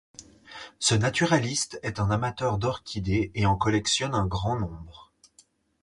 Ce naturaliste est un amateur d’orchidées et en collectionne un grand nombre.